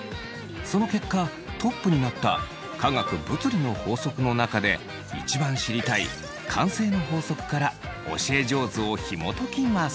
その結果トップになった科学・物理の法則の中で一番知りたい慣性の法則から教え上手をひもときます。